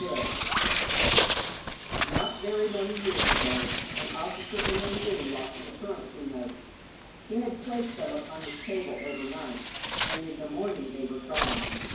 Dammapada. Not very many years ago an officer in Rangoon lost some currency notes. He had placed them upon his table overnight, and in the morning they were gone.